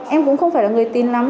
em cũng không phải là người tin lắm